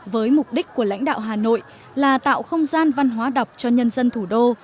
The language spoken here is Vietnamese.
với mục đích của lãnh đạo hà nội là tạo không gian văn hóa đọc cho nhân dân thủ đô